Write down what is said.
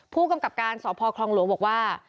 ผู้กำกับการสพคลองหลวงบอกว่า